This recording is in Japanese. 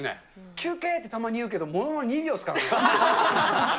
休憩ってたまに言うけど、ものの２秒ですからね。